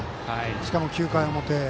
しかも９回表。